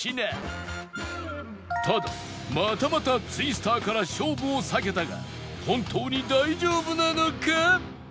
ただまたまたツイスターから勝負を避けたが本当に大丈夫なのか？